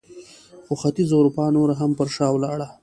خو ختیځه اروپا نوره هم پر شا ولاړه.